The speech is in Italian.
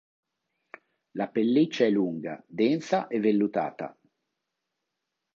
La pelliccia è lunga, densa e vellutata.